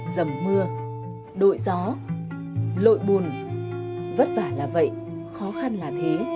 dầm mưa đội gió lội bùn vất vả là vậy khó khăn là thế